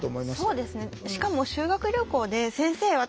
そうですね